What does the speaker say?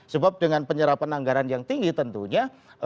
sebab dengan penyerapan anggaran yang tinggi tentunya